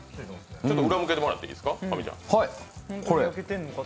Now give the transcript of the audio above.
ちょっと裏向けてもらっていいですか。